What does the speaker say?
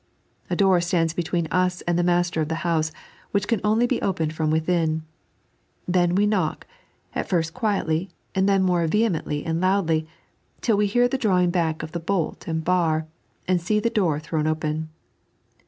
A door stands between us and the master of the house, which can only be opened from within. Then we knock ; at first quietly, and titen more vehemently and loudly, till we hear the drawing back of bolt and bar, and see the door thrown open.